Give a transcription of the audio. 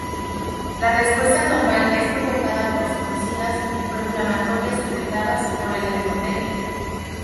La respuesta anormal es provocada por citocinas proinflamatorias secretadas por el endotelio.